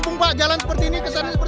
sempat nyangkut pak di kota baru pak